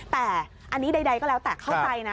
แต่อันนี้ใดก็แล้วแต่เข้าใจนะ